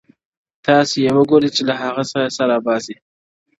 تاسي یې وګوری چي له هغه څخه څه راباسی -